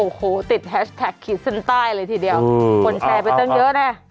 โอ้โหติดแฮชแพคขีดซึ่งใต้เลยทีเดียวเออคนแชร์ไปตั้งเยอะน่ะ